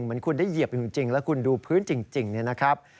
เหมือนคุณได้เหยียบจริงแล้วคุณดูพื้นจริงนะครับ